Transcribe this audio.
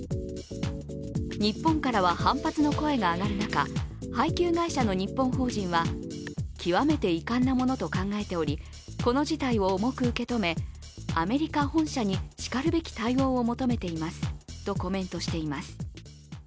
日本からは、反発の声が上がる中、配給会社の日本法人は極めて遺憾なものと考えておりこの事態を重く受け止めアメリカ本社にしかるべき対応を求めていますとコメントしています。